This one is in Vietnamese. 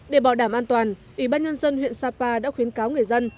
để bảo đảm an toàn ủy ban nhân dân huyện sapa đã khuyến cáo người dân